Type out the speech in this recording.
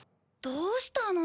どうしたの？